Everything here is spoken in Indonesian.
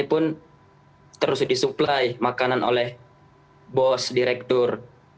pun terus disuplai makanan oleh bos direktur